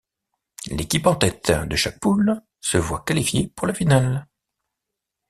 L'équipe en tête de chaque poule se voit qualifiée pour la finale.